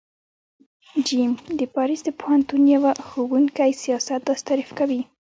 ج : د پاریس د پوهنتون یوه ښوونکی سیاست داسی تعریف کوی